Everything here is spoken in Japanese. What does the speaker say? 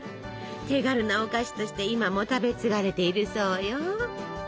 手軽なお菓子として今も食べ継がれているそうよ。